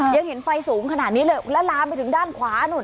ยังเห็นไฟสูงขนาดนี้เลยแล้วลามไปถึงด้านขวานู่น